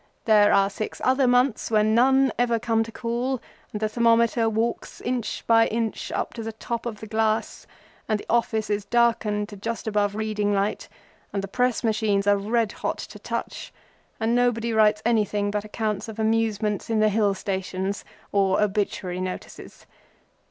There are other six months wherein none ever come to call, and the thermometer walks inch by inch up to the top of the glass, and the office is darkened to just above reading light, and the press machines are red hot of touch, and nobody writes anything but accounts of amusements in the Hill stations or obituary notices.